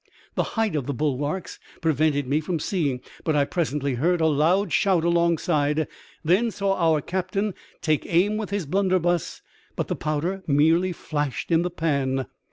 The height of the bulwarks prevented me from seeing; but I presently heard a loud shout alongside, then saw our captain take aim with his blunderbuss ; but the powder merely flashed in the pan.